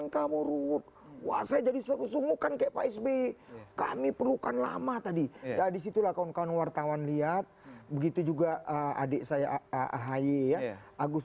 kami perlukan lama tadi jadi situlah kawan kawan wartawan lihat begitu juga adik saya ahaya agus